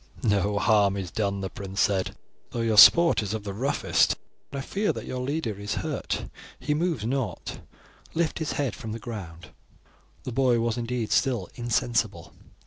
"No harm is done," the prince said, "though your sport is of the roughest; but I fear that your leader is hurt, he moves not; lift his head from the ground." The boy was indeed still insensible.